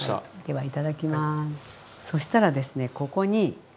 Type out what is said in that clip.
はい。